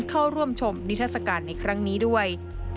เข้าร่วมชมนิทัศกาลในครั้งนี้ด้วย